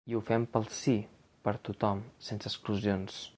I ho fem pel Sí, per tothom, sense exclusions.